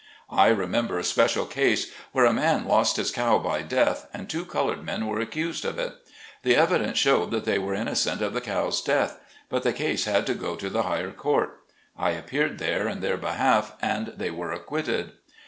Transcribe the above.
I remember a special case, where a man lost his cow by death, and two colored men were accused of it. The evidence showed that they were innocent of the cow's death ; but the case had to go to the higher court. I appeared there in their behalf, and they were acquitted.